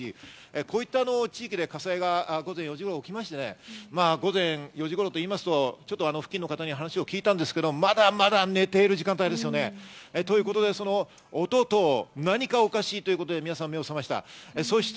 こういった地域で火災が午前４時頃起きまして、午前４時頃といいますと、付近の方に話を聞いたんですけど、まだ寝ている時間帯ですよねということで音と何かおかしいということで皆さん目を覚ました。